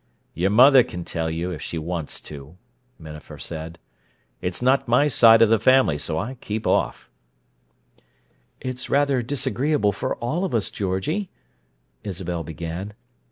"Your mother can tell you, if she wants to," Minafer said. "It's not my side of the family, so I keep off." "It's rather disagreeable for all of us, Georgie," Isabel began.